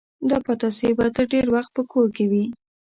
دا پتاسې به تر ډېر وخت په کور کې وې.